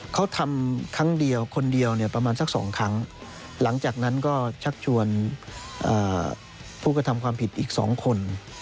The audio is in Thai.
เขาทำครั้งเดียวคนเดียวเนี่ยประมาณสัก๒ครั้งหลังจากนั้นก็ชักชวนผู้กระทำความผิดอีก๒คน